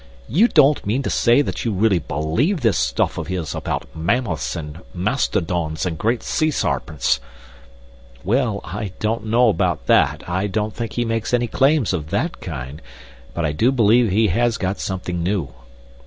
"You don't mean to say you really believe this stuff of his about mammoths and mastodons and great sea sairpents?" "Well, I don't know about that. I don't think he makes any claims of that kind. But I do believe he has got something new."